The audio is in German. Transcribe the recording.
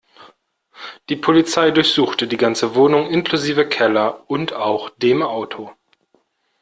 Die Polizei durchsuchte die ganze Wohnung inklusive Keller und auch dem Auto.